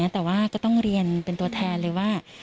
แต่ว่าก็ต้องเรียนเป็นตัวแทนเลยว่า